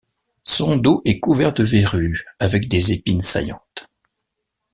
Son dos est couvert de verrues avec des épines saillantes.